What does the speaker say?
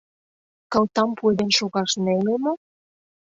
Кылтам пуэден шогаш неле мо?